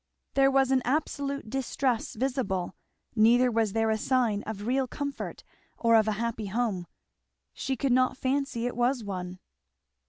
There was no absolute distress visible, neither was there a sign of real comfort or of a happy home. She could not fancy it was one.